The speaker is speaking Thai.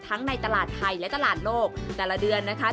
ในตลาดไทยและตลาดโลกแต่ละเดือนนะคะ